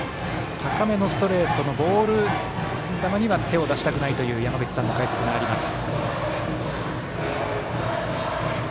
高めのストレートのボール球には手を出したくないという山口さんの解説があります。